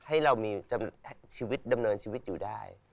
ให้เรามีชีวิตดำเนินชีวิตอยู่ได้